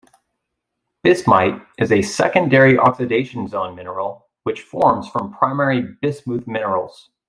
Bismite is a secondary oxidation zone mineral which forms from primary bismuth minerals.